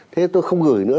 thế tôi không gửi nữa